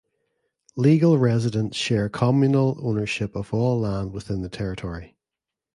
Legal residents share communal ownership of all land within the Territory.